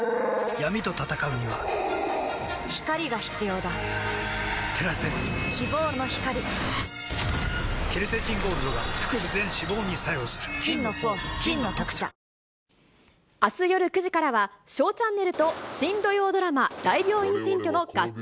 闇と闘うには光が必要だ照らせ希望の光あす夜９時からは、ＳＨＯＷチャンネルと新土曜ドラマ、大病院占拠の合体